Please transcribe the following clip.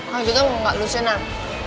kalo gitu tuh gak lusinan